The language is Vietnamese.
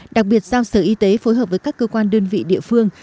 đặc biệt giao sở y tế phối hợp với các cơ quan đơn vị địa phương